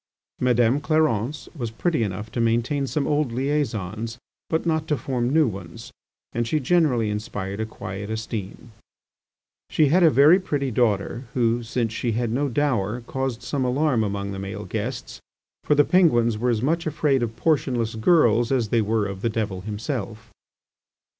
Madame Clarence was pretty enough to maintain some old liaisons, but not to form new ones, and she generally inspired a quiet esteem. She had a very pretty daughter, who, since she had no dower, caused some alarm among the male guests; for the Penguins were as much afraid of portionless girls as they were of the devil himself.